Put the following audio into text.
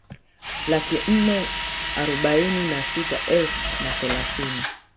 Laki nne arobaini na sita elfu na thelathini